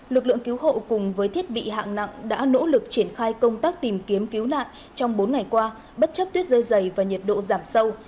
lực lượng cứu hộ cùng với thiết bị hạng nặng đã nỗ lực triển khai công tác tìm kiếm cứu nạn trong bốn ngày qua bất chấp tuyết rơi dày và nhiệt độ giảm sâu